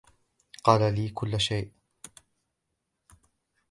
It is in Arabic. قال لي كل شيء.